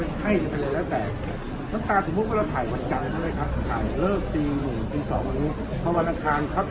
แสดงของเขาน่ะครับอาจจะเป็นหน้าแตก